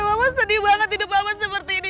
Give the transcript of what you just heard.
mama sedih banget hidup amat seperti ini